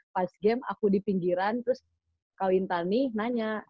pas game aku di pinggiran terus kak wintani nanya